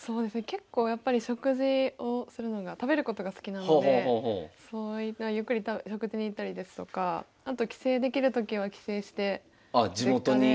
結構やっぱり食事をするのが食べることが好きなのでそういったゆっくり食事に行ったりですとかあと帰省できるときは帰省して実家で。